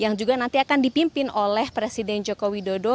yang juga nanti akan dipimpin oleh presiden joko widodo